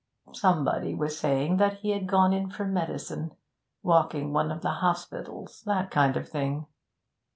'Somebody was saying that he had gone in for medicine walking one of the hospitals that kind of thing.'